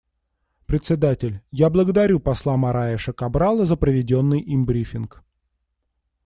Председатель: Я благодарю посла Мораеша Кабрала за проведенный им брифинг.